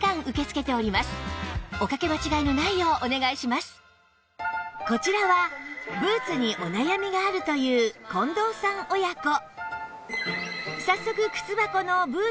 またこちらはブーツにお悩みがあるという近藤さん親子